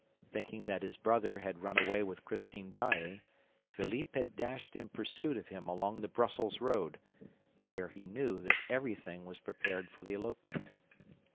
Thinking that his brother had run away with Christine Daae, Philippe had dashed in pursuit of him along the Brussels Road, where he knew that everything was prepared for the elopement.